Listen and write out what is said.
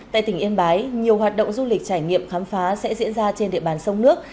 tại tỉnh yên bái nhiều hoạt động du lịch trải nghiệm khám phá sẽ diễn ra trên địa bàn sông nước